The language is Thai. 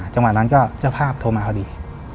จังหวะนั้นก็เจ้าภาพโทรมาพอดี